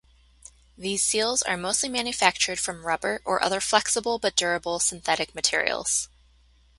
These seals are mostly manufactured from rubber or other flexible but durable synthetic materials.